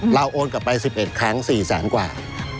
โอนกลับไป๑๑ครั้ง๔แสนกว่า